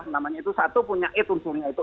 namanya itu satu punya it unsurnya itu